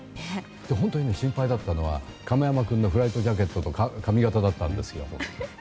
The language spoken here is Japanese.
本当に心配だったのは亀山君のフライトジャケットと髪形だったんですよ。